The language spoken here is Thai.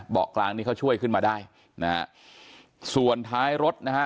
กลางนี้เขาช่วยขึ้นมาได้นะฮะส่วนท้ายรถนะฮะ